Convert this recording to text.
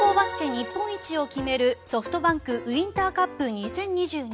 日本一を決めるＳｏｆｔＢａｎｋウインターカップ２０２２。